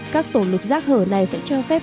các tổ lục rác hở này sẽ cho phép